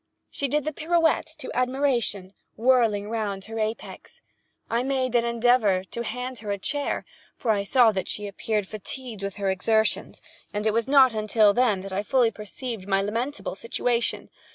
She did the pirouette to admiration—whirling round upon her apex. I made an endeavor to hand her a chair, for I saw that she appeared fatigued with her exertions—and it was not until then that I fully perceived my lamentable situation.